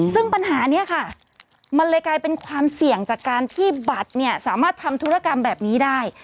ซึ่งปัญหานี้ค่ะมันเลยกลายเป็นความเสี่ยงจากการที่บัตรเนี่ยสามารถทำธุรกรรมแบบนี้ได้